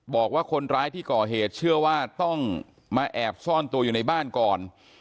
บอกว่าคนร้ายที่ก่อเหตุเชื่อว่าต้องมาแอบซ่อนตัวอยู่ในบ้านก่อน